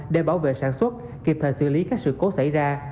để bảo vệ sản xuất kịp thời xử lý các sự cố xảy ra